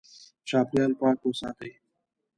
چاپېریال پاک وساتئ.